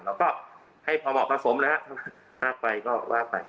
แล้วก็ให้พอเหมาะประสมนะครับถ้าไปก็ว่าไป